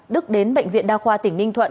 đức đến bệnh viện đa khoa tỉnh ninh thuận